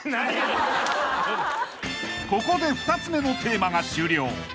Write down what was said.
［ここで２つ目のテーマが終了］